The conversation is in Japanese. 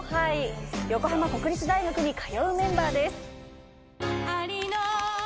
横浜国立大学に通うメンバーです。